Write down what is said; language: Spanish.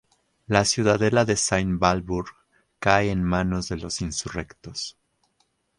La ciudadela de Sainte-Walburge cae en manos de los insurrectos.